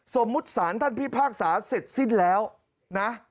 สมมุติสารท่านพิพากษาเสร็จสิ้นแล้วนะ